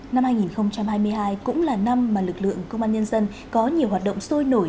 năm hai nghìn hai mươi hai cũng là năm mà lực lượng công an nhân dân có nhiều hoạt động sôi nổi